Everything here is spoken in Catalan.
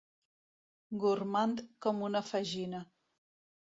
Gormand com una fagina.